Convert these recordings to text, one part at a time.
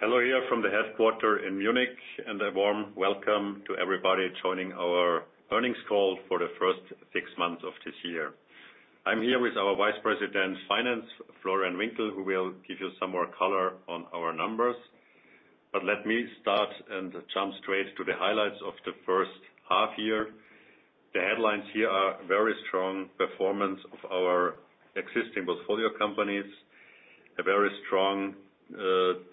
Hello here from the headquarters in Munich, a warm welcome to everybody joining our earnings call for the first six months of this year. I'm here with our Vice President, Finance, Florian Winkel, who will give you some more color on our numbers. Let me start and jump straight to the highlights of the first half-year. The headlines here are very strong performance of our existing portfolio companies, a very strong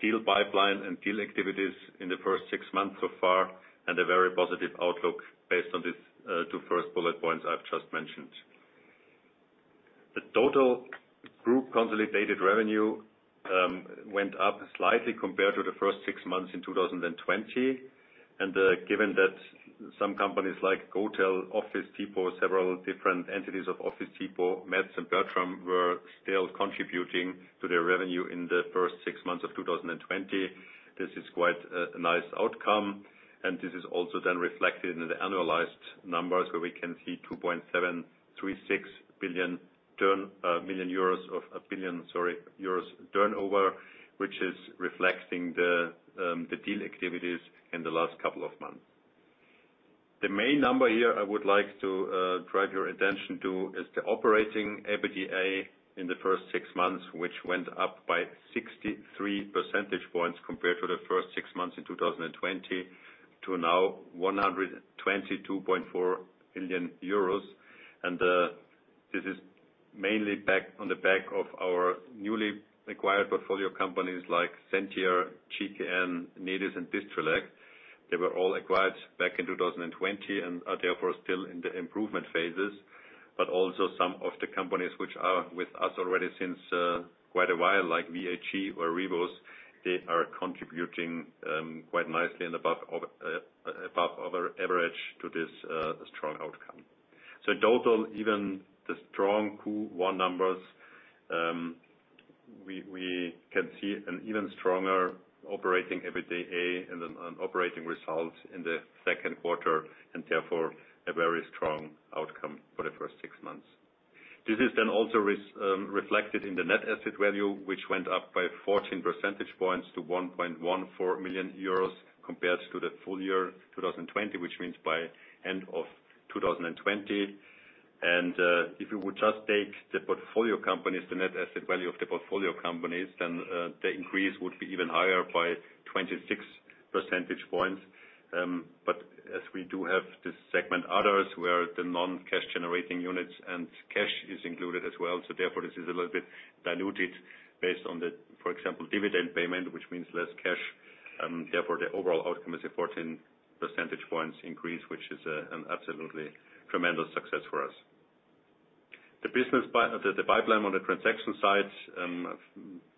deal pipeline and deal activities in the first six months so far, and a very positive outlook based on these two first bullet points I've just mentioned. The total group consolidated revenue went up slightly compared to the first six months in 2020, and given that some companies like GHOTEL, Office Depot, several different entities of Office Depot, Metz and Bertram, were still contributing to their revenue in the first six months of 2020. This is quite a nice outcome. This is also then reflected in the annualized numbers where we can see 2.736 billion turnover, which is reflecting the deal activities in the last couple of months. The main number here I would like to drive your attention to is the operating EBITDA in the first six months, which went up by 63 percentage points compared to the first six months in 2020 to now 122.4 billion euros. This is mainly on the back of our newly acquired portfolio companies like Zentia, GKN, Nedis and Distrelec. They were all acquired back in 2020 and are therefore still in the improvement phases. Also some of the companies which are with us already since quite a while, like VAG or Rivus, they are contributing quite nicely and above our average to this strong outcome. In total, even the strong Q1 numbers, we can see an even stronger operating EBITDA and operating results in the second quarter, and therefore a very strong outcome for the first six months. This is also reflected in the net asset value, which went up by 14 percentage points to 1.14 million euros compared to the full year 2020, which means by end of 2020. If you would just take the portfolio companies, the net asset value of the portfolio companies, then the increase would be even higher by 26 percentage points. As we do have this segment, others, where the non-cash generating units and cash is included as well. Therefore, this is a little bit diluted based on the, for example, dividend payment, which means less cash, and therefore the overall outcome is a 14 percentage points increase, which is an absolutely tremendous success for us. The business the pipeline on the transaction side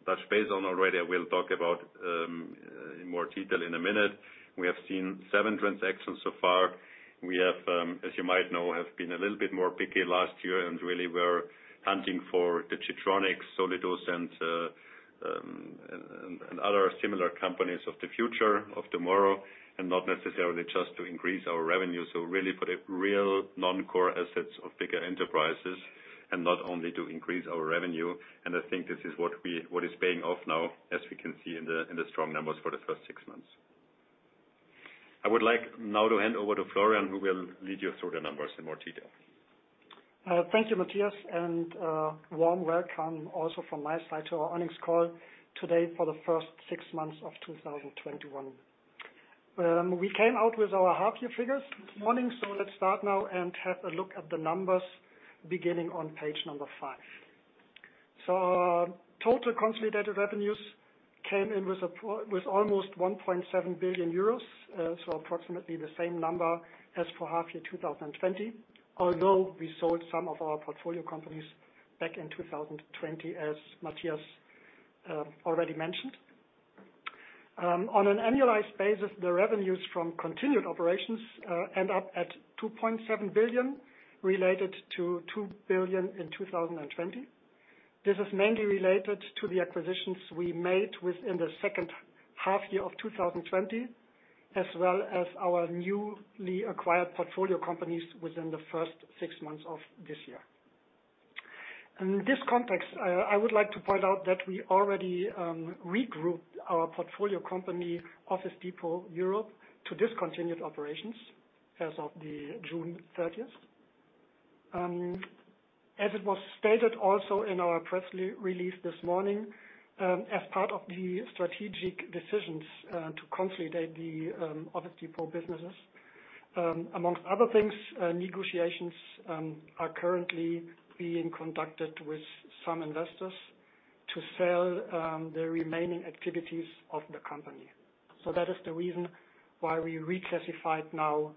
touched base on already, I will talk about in more detail in a minute. We have seen seven transactions so far. We have, as you might know, have been a little bit more picky last year and really we're hunting for the Getronics, Solidus, and other similar companies of the future, of tomorrow, and not necessarily just to increase our revenue. Really for the real non-core assets of bigger enterprises and not only to increase our revenue. I think this is what is paying off now, as we can see in the strong numbers for the first six months. I would like now to hand over to Florian, who will lead you through the numbers in more detail. Thank you, Matthias, and a warm welcome also from my side to our earnings call today for the first six months of 2021. We came out with our half year figures this morning. Let's start now and have a look at the numbers beginning on page number five. Our total consolidated revenues came in with almost 1.7 billion euros, approximately the same number as for half year 2020, although we sold some of our portfolio companies back in 2020, as Matthias already mentioned. On an annualized basis, the revenues from continued operations end up at 2.7 billion, related to 2 billion in 2020. This is mainly related to the acquisitions we made within the second half year of 2020, as well as our newly acquired portfolio companies within the first six months of this year. In this context, I would like to point out that we already regrouped our portfolio company, Office Depot Europe, to discontinued operations as of the June 30th. As it was stated also in our press release this morning, as part of the strategic decisions to consolidate the Office Depot businesses. Among other things, negotiations are currently being conducted with some investors to sell the remaining activities of the company. That is the reason why we reclassified now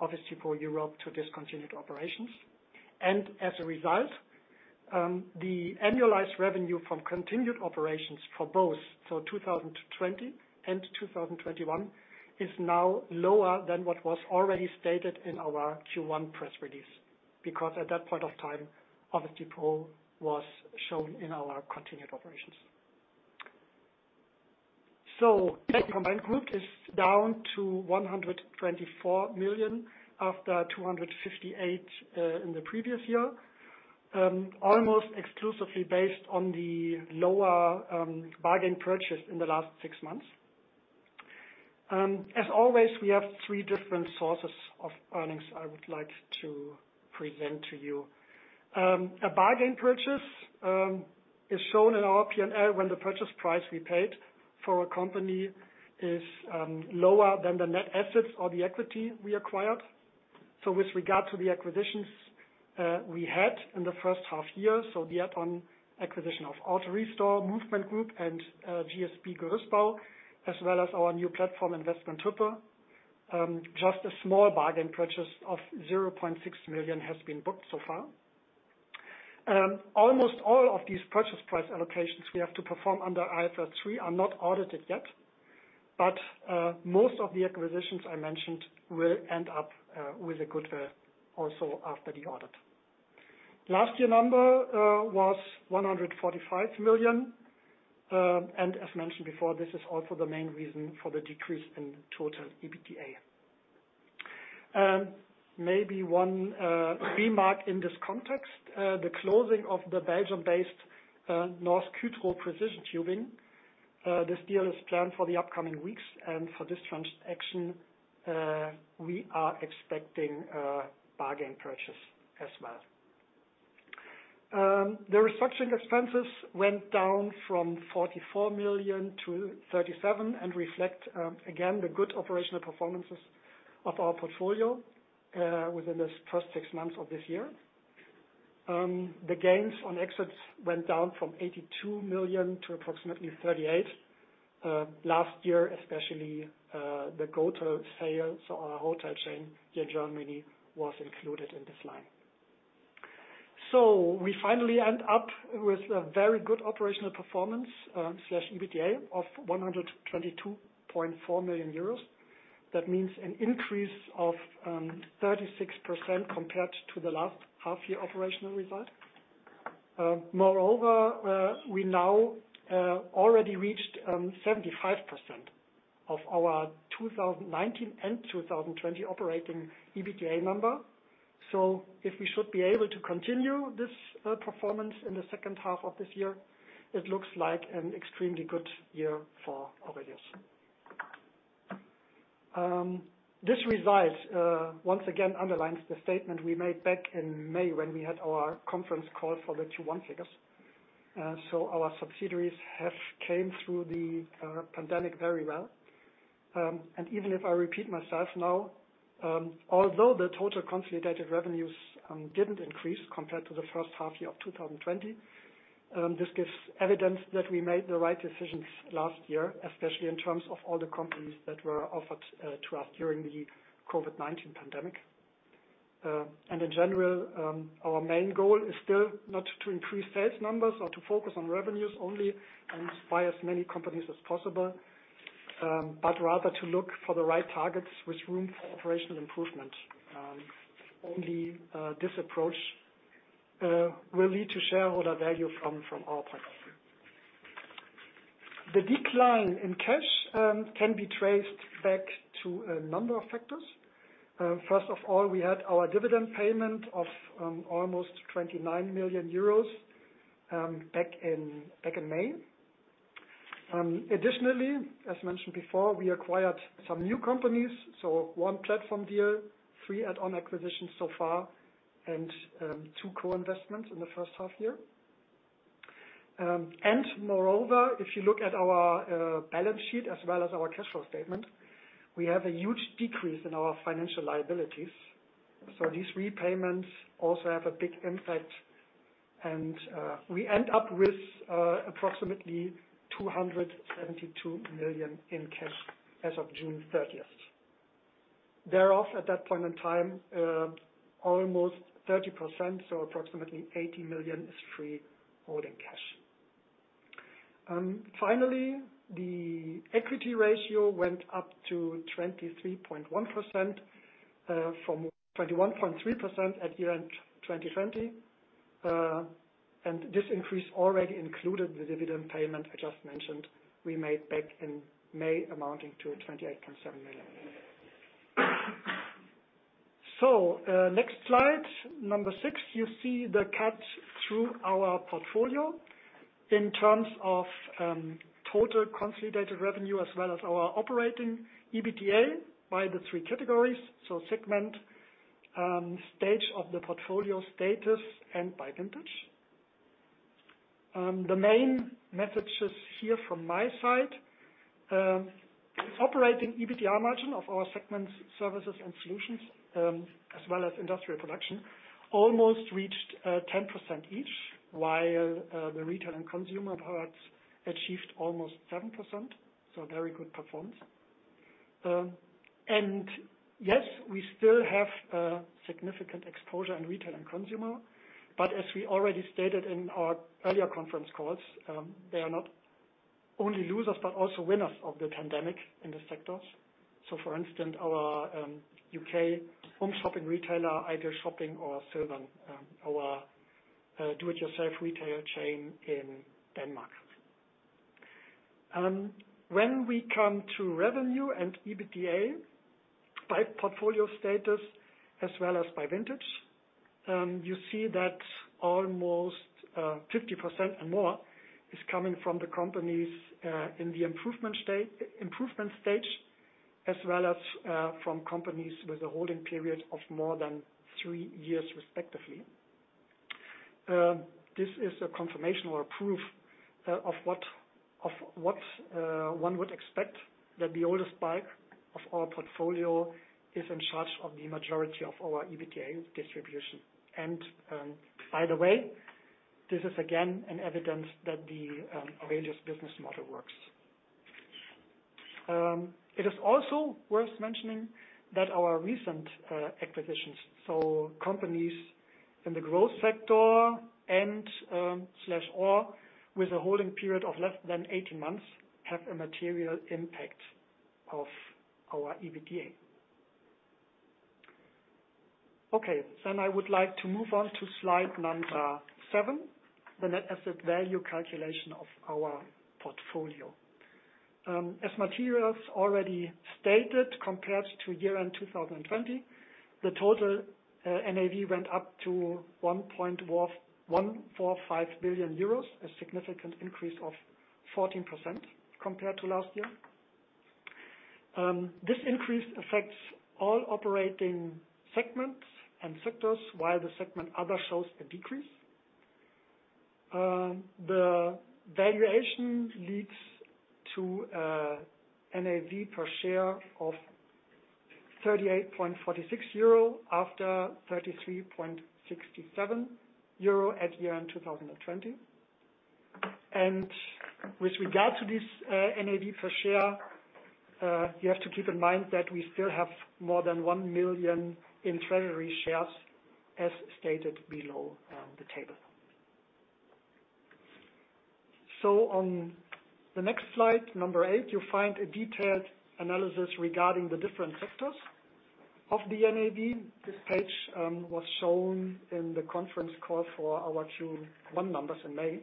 Office Depot Europe to discontinued operations. As a result, the annualized revenue from continued operations for both for 2020 and 2021 is now lower than what was already stated in our Q1 press release, because at that point of time, Office Depot was shown in our continued operations. Cash from ongoing group is down to 124 million after 258 million in the previous year. Almost exclusively based on the lower bargain purchase in the last six months. As always, we have three different sources of earnings I would like to present to you. A bargain purchase is shown in our P&L when the purchase price we paid for a company is lower than the net assets or the equity we acquired. With regard to the acquisitions we had in the first half year, so the add-on acquisition of AutoRestore, Movement Group, and GSB Gerüstbau, as well as our new platform investment, Hüppe. Just a small bargain purchase of 0.6 million has been booked so far. Almost all of these purchase price allocations we have to perform under IFRS 3 are not audited yet, most of the acquisitions I mentioned will end up with a goodwill also after the audit. Last year number was 145 million. As mentioned before, this is also the main reason for the decrease in total EBITDA. Maybe one remark in this context, the closing of the Belgium-based, Norsk Hydro Precision Tubing. This deal is planned for the upcoming weeks, for this transaction, we are expecting a bargain purchase as well. The restructuring expenses went down from 44 million-37 million and reflect, again, the good operational performances of our portfolio within the first six months of this year. The gains on exits went down from 82 million to approximately 38 million. Last year, especially, the GHOTEL sale, so our hotel chain here in Germany, was included in this line. We finally end up with a very good operational performance/EBITDA of 122.4 million euros. That means an increase of 36% compared to the last half year operational result. Moreover, we now already reached 75% of our 2019 and 2020 operating EBITDA number. If we should be able to continue this performance in the second half of this year, it looks like an extremely good year for AURELIUS. This result, once again underlines the statement we made back in May when we had our conference call for the Q1 figures. Our subsidiaries have came through the pandemic very well. Even if I repeat myself now, although the total consolidated revenues didn't increase compared to the first half year of 2020, this gives evidence that we made the right decisions last year, especially in terms of all the companies that were offered to us during the COVID-19 pandemic. In general, our main goal is still not to increase sales numbers or to focus on revenues only and buy as many companies as possible, but rather to look for the right targets with room for operational improvement. Only this approach will lead to shareholder value from our point of view. The decline in cash can be traced back to a number of factors. First of all, we had our dividend payment of almost 29 million euros back in May. Additionally, as mentioned before, we acquired some new companies, so one platform deal, three add-on acquisitions so far, and two co-investments in the first half year. Moreover, if you look at our balance sheet as well as our cash flow statement, we have a huge decrease in our financial liabilities. These repayments also have a big impact and we end up with approximately 272 million in cash as of June 30th. Thereof, at that point in time, almost 30%, so approximately 80 million, is free holding cash. Finally, the equity ratio went up to 23.1%, from 21.3% at year-end 2020. This increase already included the dividend payment I just mentioned we made back in May amounting to 28.7 million. Next slide, number six. You see the cut through our portfolio in terms of total consolidated revenue as well as our operating EBITDA by the three categories. Segment, stage of the portfolio status, and by vintage. The main messages here from my side, operating EBITDA margin of our segments, services and solutions, as well as industrial production, almost reached 10% each, while the retail and consumer parts achieved almost 7%. A very good performance. Yes, we still have a significant exposure in retail and consumer, but as we already stated in our earlier conference calls, they are not only losers, but also winners of the pandemic in the sectors, for instance, our U.K. home shopping retailer, Ideal Shopping, or Silvan, our Do-it-yourself retail chain in Denmark. When we come to revenue and EBITDA by portfolio status as well as by vintage, you see that almost 50% and more is coming from the companies in the improvement stage, as well as from companies with a holding period of more than three years respectively. This is a confirmation or proof of what one would expect, that the oldest part of our portfolio is in charge of the majority of our EBITDA distribution. This is again an evidence that the AURELIUS business model works. It is also worth mentioning that our recent acquisitions, so companies in the growth sector and/or with a holding period of less than 18 months, have a material impact of our EBITDA. Okay. I would like to move on to slide number seven, the net asset value calculation of our portfolio. As Matthias already stated, compared to year-end 2020, the total NAV went up to 1.145 billion euros, a significant increase of 14% compared to last year. This increase affects all operating segments and sectors, while the segment other shows a decrease. The valuation leads to a NAV per share of 38.46 euro after 33.67 euro at year-end 2020. With regard to this NAV per share, you have to keep in mind that we still have more than 1 million in treasury shares, as stated below the table. On the next slide, number eight, you'll find a detailed analysis regarding the different sectors of the NAV. This page was shown in the conference call for our Q1 numbers in May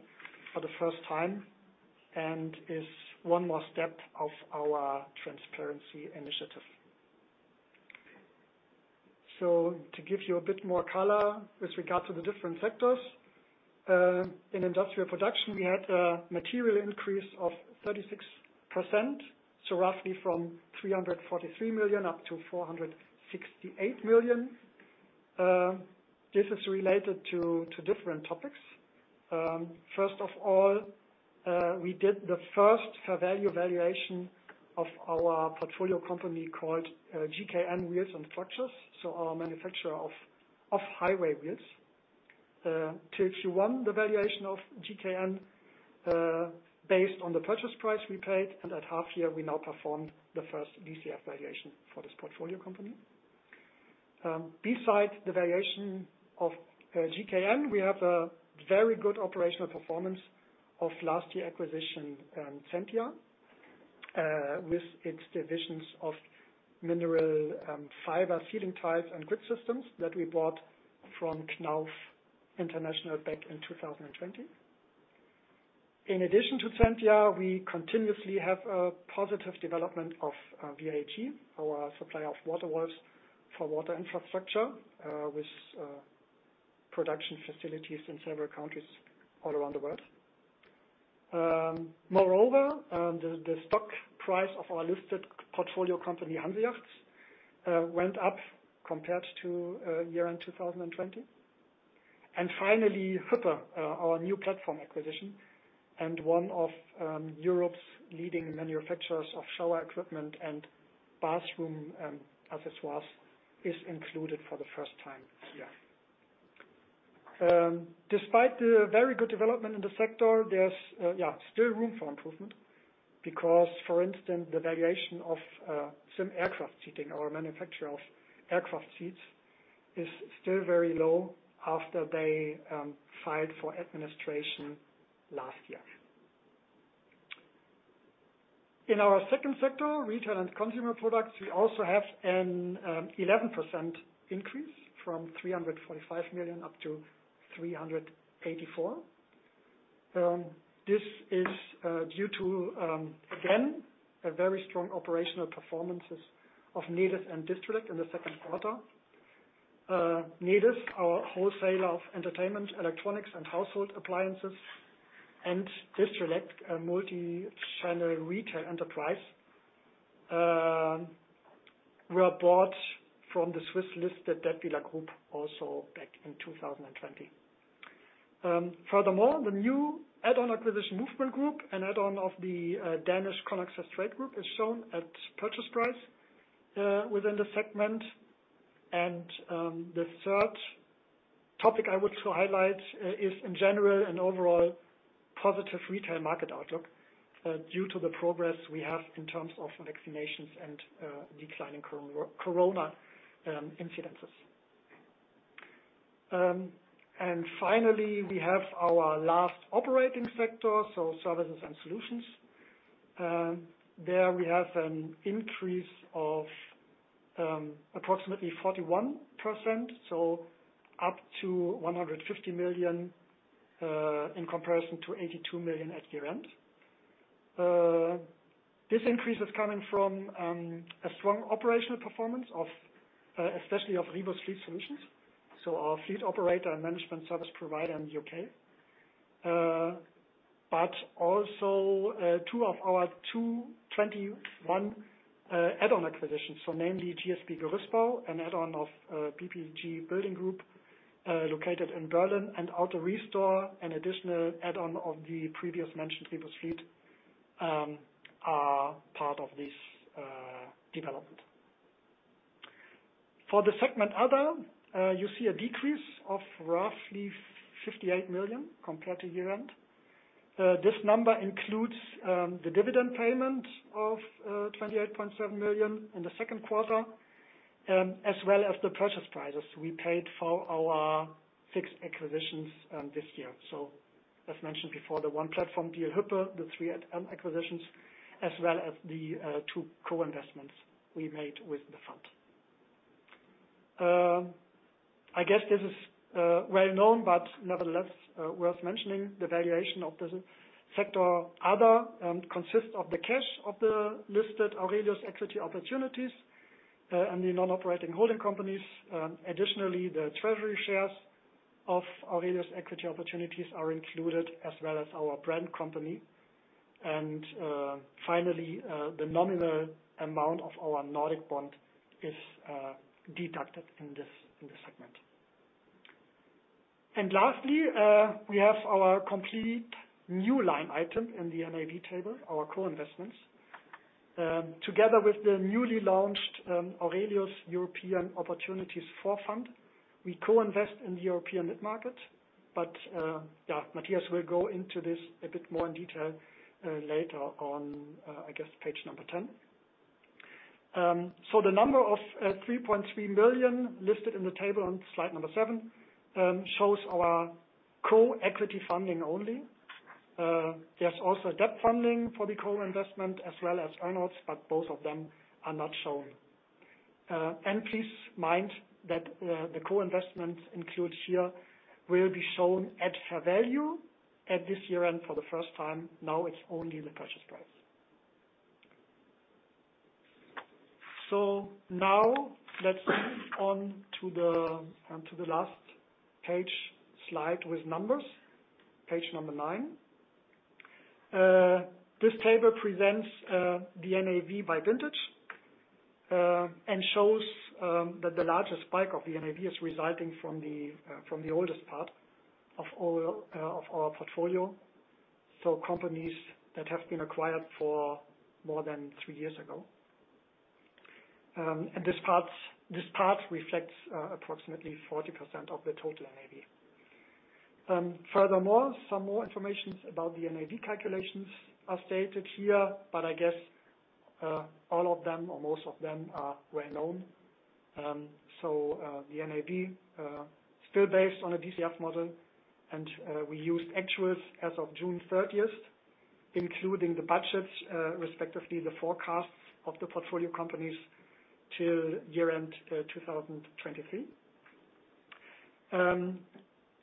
for the first time, and is one more step of our transparency initiative. To give you a bit more color with regard to the different sectors, in industrial production, we had a material increase of 36%, roughly from 343 million up to 468 million. This is related to different topics. First of all, we did the first fair value valuation of our portfolio company called GKN Wheels & Structures, our manufacturer of off-highway wheels. Q1, the valuation of GKN, based on the purchase price we paid and at half year, we now performed the first DCF valuation for this portfolio company. Besides the valuation of GKN, we have a very good operational performance of last year acquisition, Zentia, with its divisions of mineral fiber ceiling tiles and grid systems that we bought from Knauf International back in 2020. In addition to Zentia, we continuously have a positive development of VAG, our supplier of water works for water infrastructure, with production facilities in several countries all around the world. The stock price of our listed portfolio company, HanseYachts, went up compared to year-end 2020. Finally, Hüppe, our new platform acquisition, and one of Europe's leading manufacturers of shower equipment and bathroom accessories, is included for the first time this year. Despite the very good development in the sector, there's still room for improvement because, for instance, the valuation of ZIM Aircraft Seating, our manufacturer of aircraft seats, is still very low after they filed for administration last year. In our second sector, retail and consumer products, we also have an 11% increase from 345 million up to 384 million. This is due to, again, very strong operational performances of Nedis and Distrelec in the second quarter. Nedis, our wholesaler of entertainment, electronics, and household appliances, and Distrelec, a multi-channel retail enterprise, were bought from the Swiss-listed Dätwyler Group also back in 2020. Furthermore, the new add-on acquisition Movement Group, an add-on of the Danish Conaxess Trade Group is shown at purchase price within the segment. The third topic I would highlight is, in general, an overall positive retail market outlook due to the progress we have in terms of vaccinations and declining corona incidences. Finally, we have our last operating sector, services and solutions. There we have an increase of approximately 41%, so up to 150 million in comparison to 82 million at year-end. This increase is coming from a strong operational performance, especially of Rivus Fleet Solutions. Our fleet operator and management service provider in the U.K. Also two of our 2021 add-on acquisitions. Namely GSB Gerüstbau, an add-on of BPG Building Group, located in Berlin, and AutoRestore, an additional add-on of the previous mentioned Rivus Fleet, are part of this development. For the segment other, you see a decrease of roughly 58 million compared to year-end. This number includes the dividend payment of 28.7 million in the second quarter, as well as the purchase prices we paid for our fixed acquisitions this year. As mentioned before, the one platform, Hüppe, the three add-on acquisitions, as well as the two co-investments we made with the fund. I guess this is well known, but nevertheless, worth mentioning, the valuation of the sector other consists of the cash of the listed AURELIUS Equity Opportunities and the non-operating holding companies. Additionally, the treasury shares of AURELIUS Equity Opportunities are included, as well as our brand company. Finally, the nominal amount of our Nordic bond is deducted in this segment. Lastly, we have our complete new line item in the NAV table, our co-investments. Together with the newly launched AURELIUS European Opportunities IV fund, we co-invest in the European mid-market. Matthias will go into this a bit more in detail later on, I guess page 10. The number of 3.3 million listed in the table on slide seven shows our co-equity funding only. There is also debt funding for the co-investment as well as earn-outs, but both of them are not shown. Please mind that the co-investments included here will be shown at fair value at this year-end for the first time. It's only the purchase price. Let's move on to the last page slide with numbers, page nine. This table presents the NAV by vintage, and shows that the largest spike of the NAV is resulting from the oldest part of our portfolio. Companies that have been acquired for more than three years ago. This part reflects approximately 40% of the total NAV. Furthermore, some more information about the NAV calculations are stated here, but I guess all of them or most of them are well known. The NAV still based on a DCF model, and we used actuals as of June 30th, including the budgets, respectively, the forecasts of the portfolio companies till year-end 2023.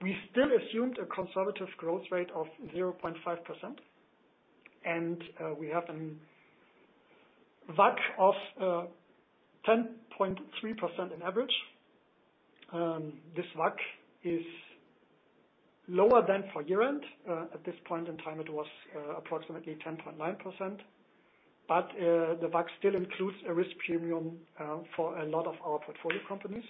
We still assumed a conservative growth rate of 0.5%, and we have an WACC of 10.3% on average. This WACC is lower than for year-end. At this point in time, it was approximately 10.9%, but the WACC still includes a risk premium for a lot of our portfolio companies.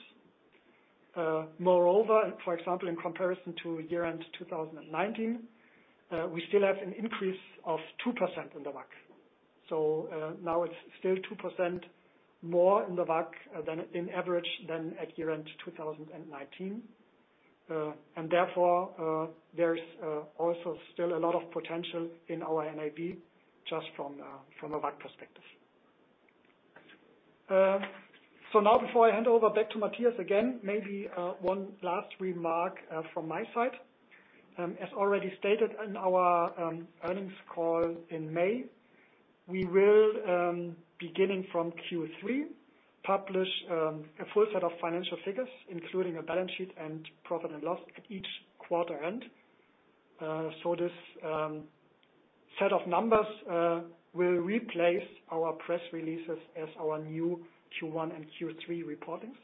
Moreover, for example, in comparison to year-end 2019, we still have an increase of 2% in the WACC. Now it's still 2% more in the WACC on average than at year-end 2019. Therefore, there's also still a lot of potential in our NAV just from a WACC perspective. Now before I hand over back to Matthias again, maybe one last remark from my side. As already stated in our earnings call in May, we will, beginning from Q3, publish a full set of financial figures, including a balance sheet and profit and loss at each quarter end. This set of numbers will replace our press releases as our new Q1 and Q3 reportings.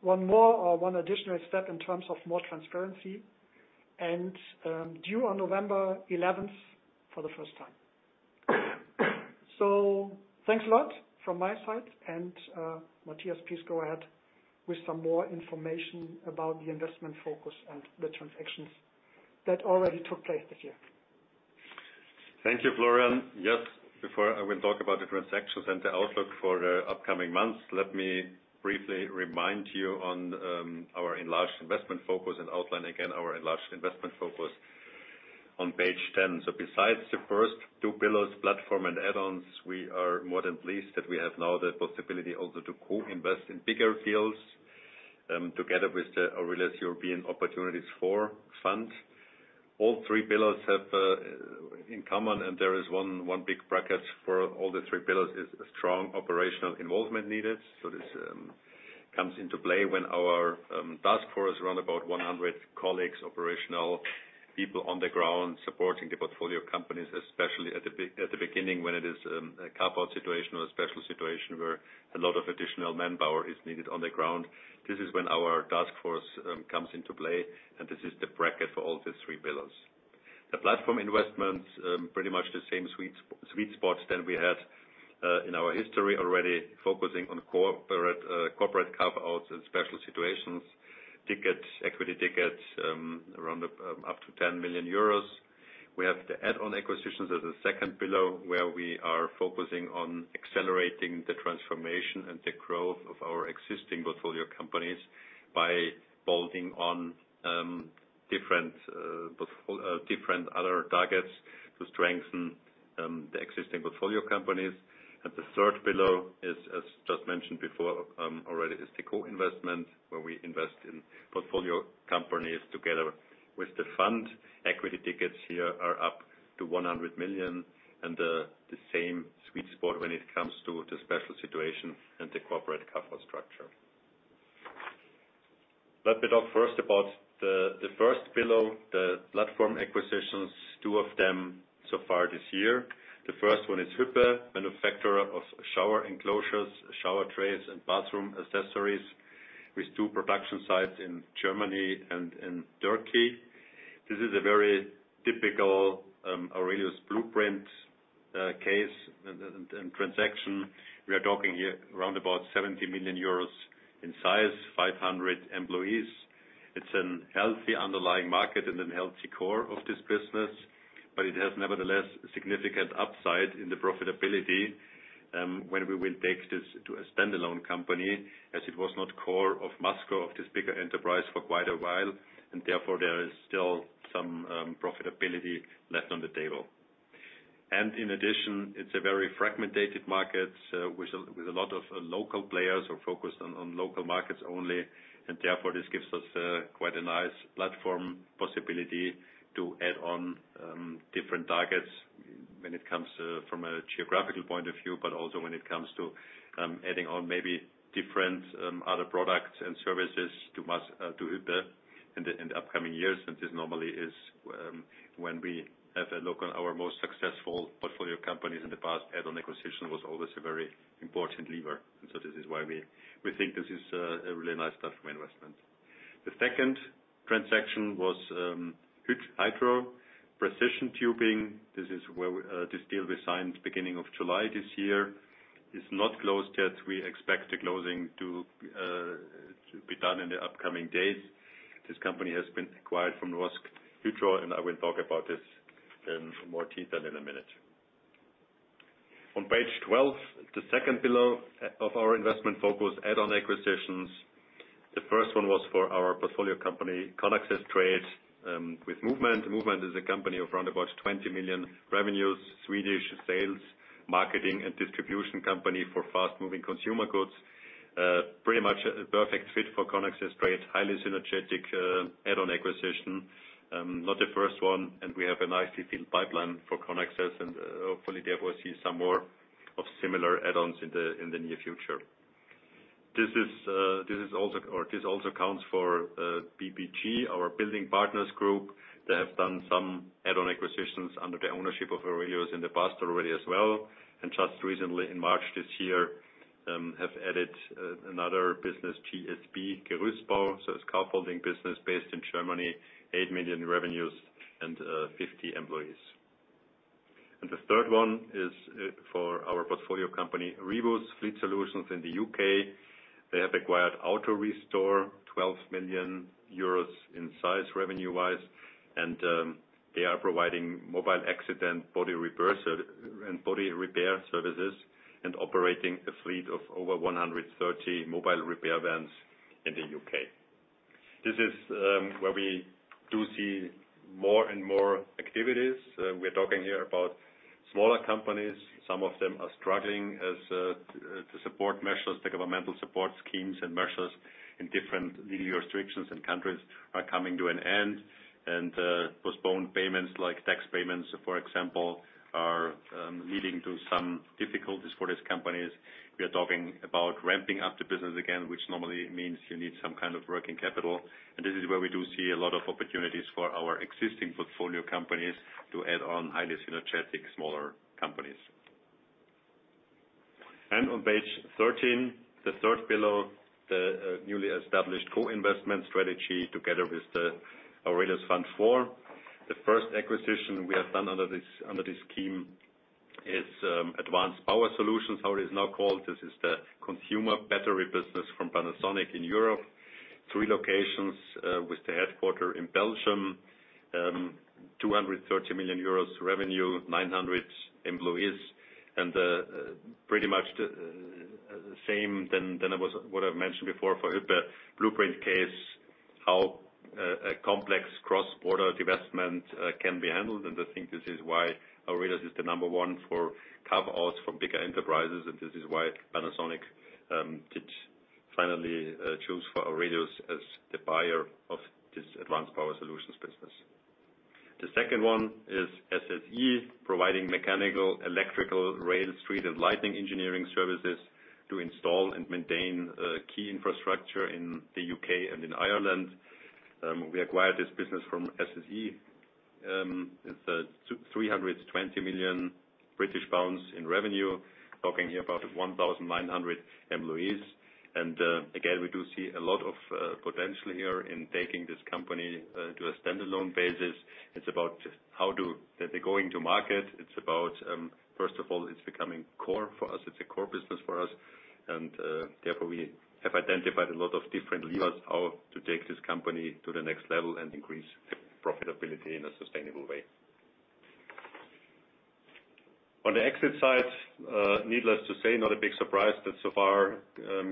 One additional step in terms of more transparency, and due on November 11th for the first time. Thanks a lot from my side. Matthias, please go ahead with some more information about the investment focus and the transactions that already took place this year. Thank you, Florian. Before I will talk about the transactions and the outlook for the upcoming months, let me briefly remind you on our enlarged investment focus and outline again our enlarged investment focus on page 10. Besides the first two pillars, platform and add-ons, we are more than pleased that we have now the possibility also to co-invest in bigger deals together with the AURELIUS European Opportunities IV fund. All three pillars have in common, and there is one big bracket for all the three pillars, is a strong operational involvement needed. This comes into play when our task force around about 100 colleagues, operational people on the ground supporting the portfolio companies, especially at the beginning when it is a carve-out situation or a special situation where a lot of additional manpower is needed on the ground. This is when our task force comes into play. This is the bracket for all the three pillars. The platform investments, pretty much the same sweet spots that we had in our history already, focusing on corporate carve-outs and special situations. Tickets, equity tickets, around up to 10 million euros. We have the add-on acquisitions as a second pillar, where we are focusing on accelerating the transformation and the growth of our existing portfolio companies by bolting on different other targets to strengthen the existing portfolio companies. The third pillar is, as just mentioned before already, is the co-investment, where we invest in portfolio companies together with the fund. Equity tickets here are up to 100 million. The same sweet spot when it comes to the special situation and the corporate carve-out structure. Let me talk first about the first pillar, the platform acquisitions, two of them so far this year. The first one is Hüppe, manufacturer of shower enclosures, shower trays, and bathroom accessories with two production sites in Germany and in Turkey. This is a very typical AURELIUS blueprint case and transaction. We are talking here around about 70 million euros in size, 500 employees. It's an healthy underlying market and an healthy core of this business, but it has nevertheless significant upside in the profitability, when we will take this to a standalone company, as it was not core of Masco, of this bigger enterprise, for quite a while, and therefore there is still some profitability left on the table. In addition, it's a very fragmented market with a lot of local players who focus on local markets only. Therefore, this gives us quite a nice platform possibility to add on different targets when it comes from a geographical point of view, but also when it comes to adding on maybe different other products and services to Hüppe in the upcoming years. This normally is when we have a look on our most successful portfolio companies in the past, add-on acquisition was always a very important lever. This is why we think this is a really nice platform investment. The second transaction was Norsk Hydro Precision Tubing. This deal we signed beginning of July this year. It's not closed yet. We expect the closing to be done in the upcoming days. This company has been acquired from Norsk Hydro, and I will talk about this in more detail in a minute. On page 12, the second pillar of our investment focus, add-on acquisitions. The first one was for our portfolio company, Conaxess Trade, with Movement. Movement is a company of around about 20 million revenues, Swedish sales, marketing, and distribution company for fast-moving consumer goods. Pretty much a perfect fit for Conaxess Trade. Highly synergetic add-on acquisition. Not the first one, and we have a nicely filled pipeline for Conaxess, and hopefully therefore see some more of similar add-ons in the near future. This also counts for BPG, our Building Partners Group. They have done some add-on acquisitions under the ownership of AURELIUS in the past already as well. Just recently in March this year, have added another business, GSB Gerüstbau. It's scaffolding business based in Germany, 8 million revenues and 50 employees. The third one is for our portfolio company, Rivus Fleet Solutions in the U.K. They have acquired AutoRestore, 12 million euros in size revenue wise, and they are providing mobile accident body repair services and operating a fleet of over 130 mobile repair vans in the U.K. This is where we do see more and more activities. We're talking here about smaller companies. Some of them are struggling as the support measures, the governmental support schemes and measures and different legal restrictions and countries are coming to an end. Postponed payments like tax payments, for example, are leading to some difficulties for these companies. We are talking about ramping up the business again, which normally means you need some kind of working capital. This is where we do see a lot of opportunities for our existing portfolio companies to add on highly synergetic smaller companies. On page 13, the third pillar, the newly established co-investment strategy together with the AURELIUS Fund IV. The first acquisition we have done under this scheme is Advanced Power Solutions, how it is now called. This is the consumer battery business from Panasonic in Europe. Three locations with the headquarter in Belgium, 230 million euros revenue, 900 employees, and pretty much the same than what I've mentioned before for Hüppe blueprint case how a complex cross-border divestment can be handled, and I think this is why AURELIUS is the number one for carve-outs for bigger enterprises, and this is why Panasonic did finally choose for AURELIUS as the buyer of this Advanced Power Solutions business. The second one is SSE, providing mechanical, electrical, rail, street, and lighting engineering services to install and maintain key infrastructure in the U.K. and in Ireland. We acquired this business from SSE. It's 320 million British pounds in revenue, talking here about 1,900 employees. Again, we do see a lot of potential here in taking this company to a standalone basis. First of all, it's becoming core for us. It's a core business for us. Therefore, we have identified a lot of different levers how to take this company to the next level and increase profitability in a sustainable way. On the exit side, needless to say, not a big surprise that so far,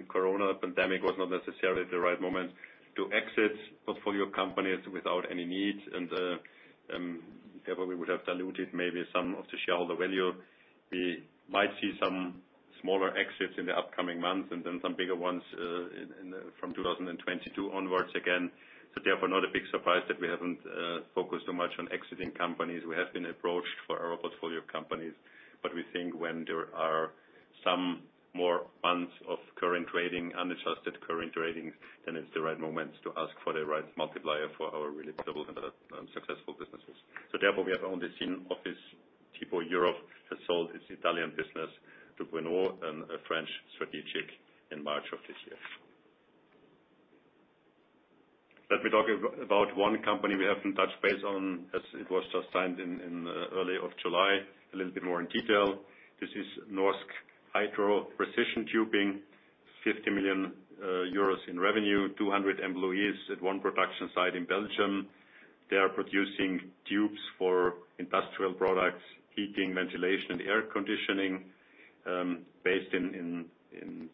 corona pandemic was not necessarily the right moment to exit portfolio companies without any need. Therefore, we would have diluted maybe some of the shareholder value. We might see some smaller exits in the upcoming months and then some bigger ones from 2022 onwards again. Not a big surprise that we haven't focused so much on exiting companies. We have been approached for our portfolio companies, but we think when there are some more months of current trading, unadjusted current tradings, then it's the right moment to ask for the right multiplier for our really profitable and successful businesses. We have only seen Office Depot Europe has sold its Italian business to Bruneau, a French strategic in March of this year. Let me talk about one company we haven't touched base on as it was just signed in early of July, a little bit more in detail. This is Norsk Hydro Precision Tubing, 50 million euros in revenue, 200 employees at one production site in Belgium. They are producing tubes for industrial products, heating, ventilation, and air conditioning. Based in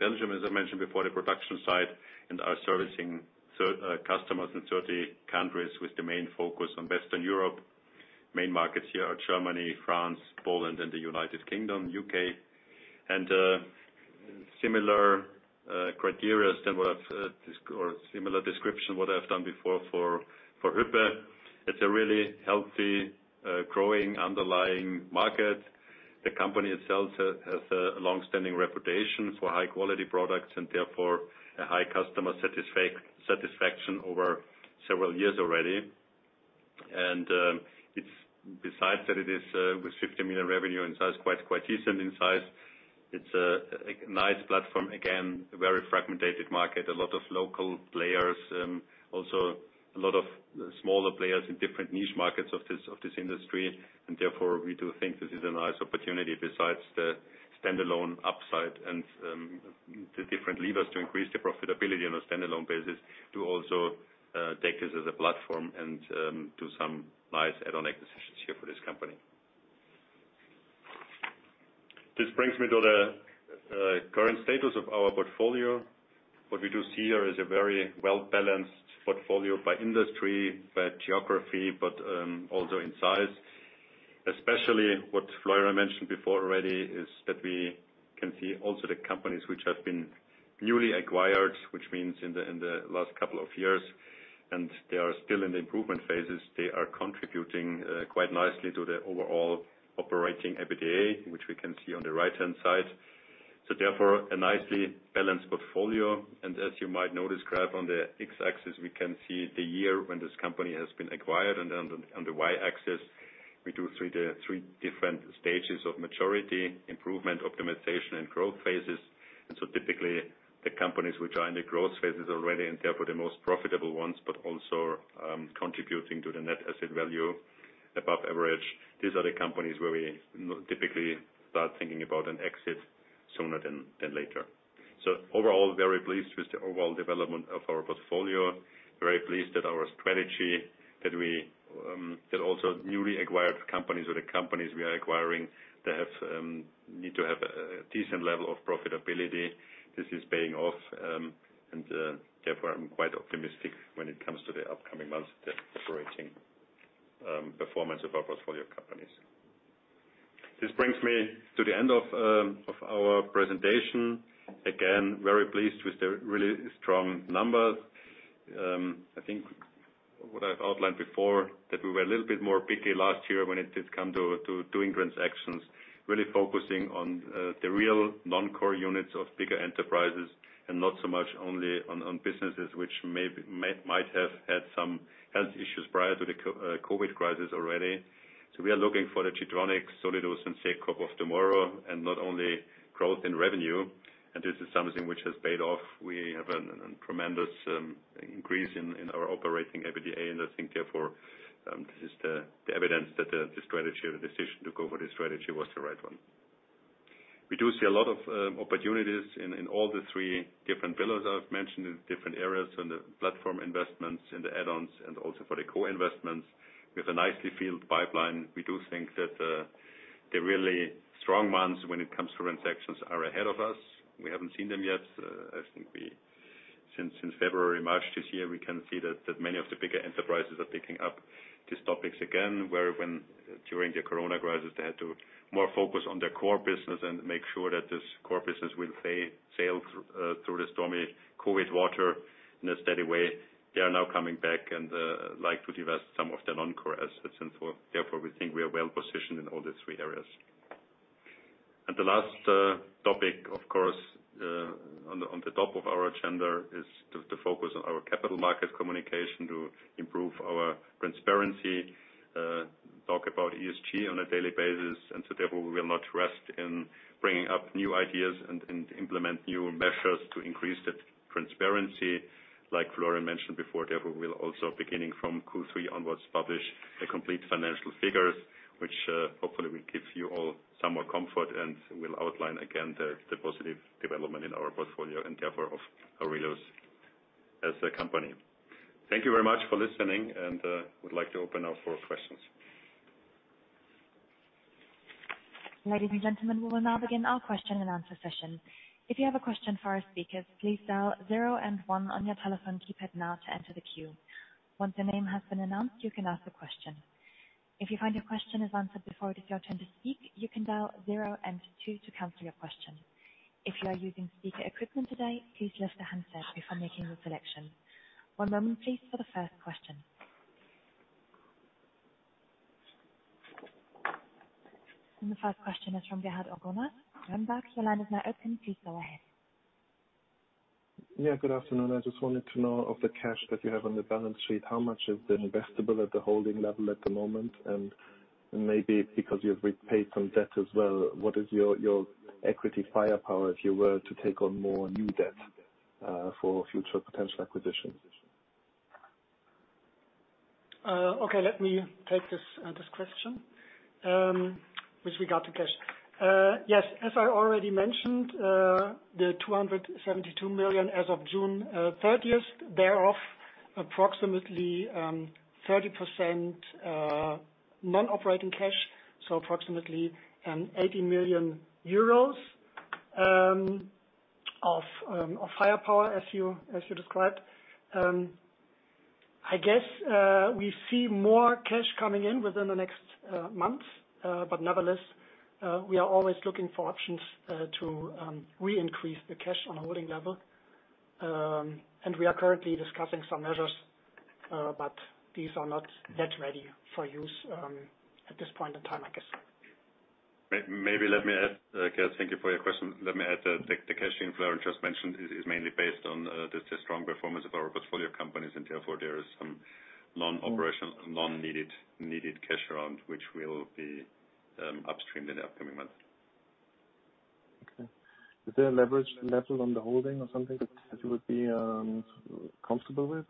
Belgium, as I mentioned before, the production site, and are servicing customers in 30 countries with the main focus on Western Europe. Main markets here are Germany, France, Poland, and the United Kingdom, U.K. Similar criteria or similar description, what I've done before for Hüppe. It's a really healthy, growing underlying market. The company itself has a long-standing reputation for high-quality products and therefore a high customer satisfaction over several years already. Besides that it is with 50 million revenue in size, quite decent in size. It's a nice platform. Again, a very fragmented market, a lot of local players. Also a lot of smaller players in different niche markets of this industry. Therefore, we do think this is a nice opportunity besides the standalone upside and the different levers to increase the profitability on a standalone basis to also take this as a platform and do some nice add-on acquisitions here for this company. This brings me to the current status of our portfolio. What we do see here is a very well-balanced portfolio by industry, by geography, but also in size. Especially what Florian mentioned before already is that we can see also the companies which have been newly acquired, which means in the last couple of years, and they are still in the improvement phases. They are contributing quite nicely to the overall operating EBITDA, which we can see on the right-hand side. Therefore, a nicely balanced portfolio. As you might notice, graph on the X-axis, we can see the year when this company has been acquired. On the Y-axis, we do three different stages of maturity, improvement, optimization, and growth phases. Typically, the companies which are in the growth phases already and therefore the most profitable ones, but also contributing to the net asset value above average. These are the companies where we typically start thinking about an exit sooner than later. Overall, very pleased with the overall development of our portfolio. Very pleased at our strategy that also newly acquired companies or the companies we are acquiring need to have a decent level of profitability. This is paying off, and therefore I'm quite optimistic when it comes to the upcoming months, the operating performance of our portfolio companies. This brings me to the end of our presentation. Again, very pleased with the really strong numbers. I think what I've outlined before, that we were a little bit more picky last year when it did come to doing transactions, really focusing on the real non-core units of bigger enterprises and not so much only on businesses which might have had some health issues prior to the COVID crisis already. We are looking for the Getronics, Solidus, and Secop of tomorrow, not only growth in revenue. This is something which has paid off. We have a tremendous increase in our operating EBITDA. I think, therefore, this is the evidence that the strategy or the decision to go for the strategy was the right one. We do see a lot of opportunities in all the three different pillars I've mentioned in different areas on the platform investments and also for the co-investments. We have a nicely filled pipeline. We do think that the really strong months when it comes to transactions are ahead of us. We haven't seen them yet. I think since February, March this year, we can see that many of the bigger enterprises are picking up these topics again, where when during the COVID crisis, they had to more focus on their core business and make sure that this core business will sail through the stormy COVID water in a steady way. They are now coming back and like to divest some of their non-core assets, and therefore, we think we are well-positioned in all the three areas. The last topic, of course, on the top of our agenda is the focus on our capital market communication to improve our transparency, talk about ESG on a daily basis. Therefore, we will not rest in bringing up new ideas and implement new measures to increase that transparency. Like Florian mentioned before, therefore, we will also, beginning from Q3 onwards, publish complete financial figures, which hopefully will give you all some more comfort, and will outline again the positive development in our portfolio, and therefore of AURELIUS as a company. Thank you very much for listening, and would like to open now for questions. The first question is from Gerhard Orgonas. Gerhard, your line is now open, please go ahead. Yeah, good afternoon. I just wanted to know of the cash that you have on the balance sheet, how much is investable at the holding level at the moment? Maybe because you've repaid some debt as well, what is your equity firepower if you were to take on more new debt, for future potential acquisitions? Okay. Let me take this question. With regard to cash. Yes, as I already mentioned, the 272 million as of June 30th, thereof, approximately 30% non-operating cash, so approximately 80 million euros of firepower as you described. I guess we see more cash coming in within the next months. Nevertheless, we are always looking for options to re-increase the cash on a holding level. We are currently discussing some measures, but these are not yet ready for use at this point in time, I guess. Maybe let me add, Gerhard, thank you for your question. Let me add, the cash inflow I just mentioned is mainly based on the strong performance of our portfolio companies, and therefore there is some non-operation, non-needed cash around which will be upstreamed in the upcoming months. Okay. Is there a leverage level on the holding or something that you would be comfortable with?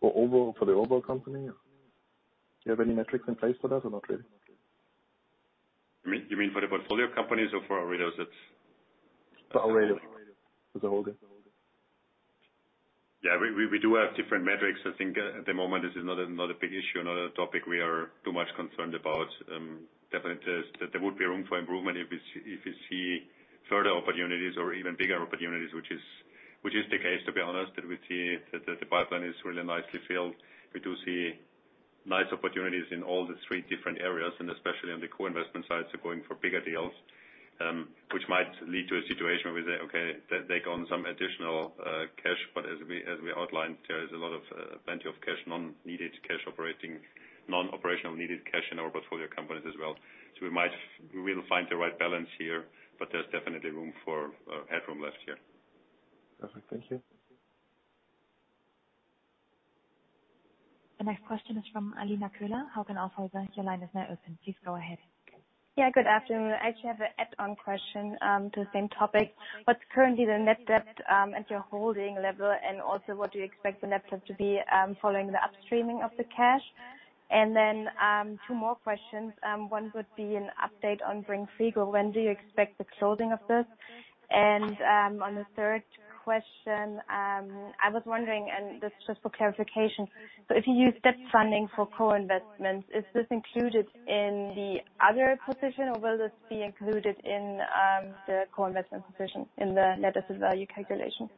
For the overall company? Do you have any metrics in place for that or not really? You mean for the portfolio companies or for AURELIUS itself? For AURELIUS as a holding. Yeah. We do have different metrics. I think at the moment this is not a big issue, not a topic we are too much concerned about. Definitely there would be room for improvement if you see further opportunities or even bigger opportunities, which is the case, to be honest, that we see that the pipeline is really nicely filled. We do see nice opportunities in all the three different areas, and especially on the co-investment side, so going for bigger deals, which might lead to a situation where we say, okay, take on some additional cash. As we outlined, there is plenty of cash, non-operational needed cash in our portfolio companies as well. We will find the right balance here, but there's definitely room for headroom left here. Perfect. Thank you. The next question is from Alina Köhler, Hauck & Aufhäuser. Your line is now open. Please go ahead. Good afternoon. I actually have an add-on question to the same topic. What is currently the net debt at your holding level, and also what do you expect the net debt to be following the upstreaming of the cash? Two more questions. One would be an update on Bring Frigo. When do you expect the closing of this? On the third question, I was wondering, and this is just for clarification, if you use debt funding for co-investments, is this included in the other position, or will this be included in the co-investment position in the net asset value calculation?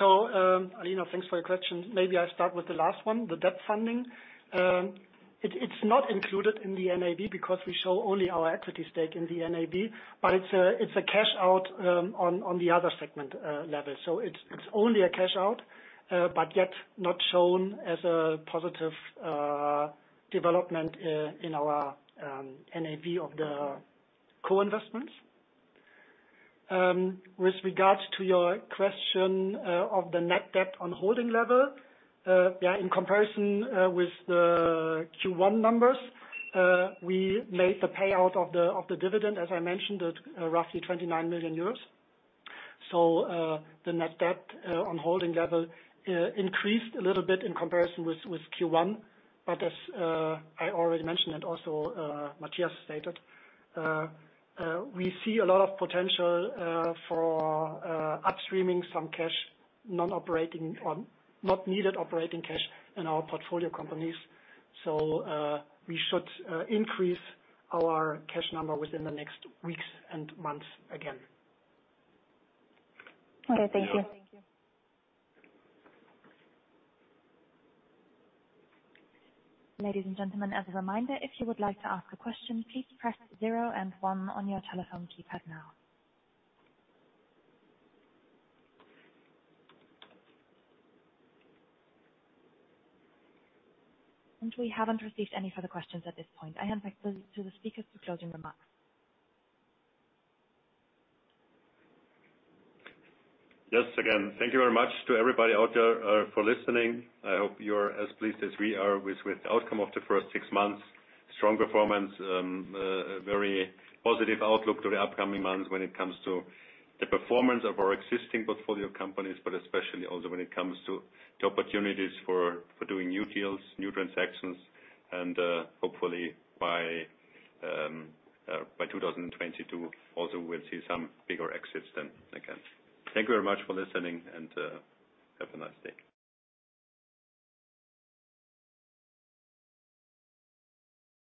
Alina, thanks for your question. Maybe I start with the last one, the debt funding. It's not included in the NAV because we show only our equity stake in the NAV, but it's a cash out on the other segment level. It is only a cash out, but yet not shown as a positive development in our NAV of the co-investments. With regards to your question of the net debt on holding level, in comparison with the Q1 numbers, we made the payout of the dividend, as I mentioned, at roughly 29 million euros. The net debt on holding level increased a little bit in comparison with Q1. As I already mentioned and also Matthias stated, we see a lot of potential for upstreaming some cash, not needed operating cash in our portfolio companies. We should increase our cash number within the next weeks and months again. Okay. Thank you. We haven't received any further questions at this point. I hand back to the speakers for closing remarks. Again, thank you very much to everybody out there for listening. I hope you're as pleased as we are with the outcome of the first six months. Strong performance, a very positive outlook for the upcoming months when it comes to the performance of our existing portfolio of companies, but especially also when it comes to the opportunities for doing new deals, new transactions. Hopefully by 2022 also we'll see some bigger exits then again. Thank you very much for listening, and have a nice day.